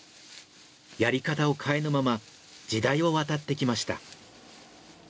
やり方を変えぬまま時代を渡ってきました。